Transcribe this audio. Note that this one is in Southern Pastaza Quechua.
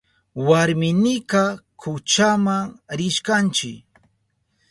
Warminiwa kuchama rishkanchi.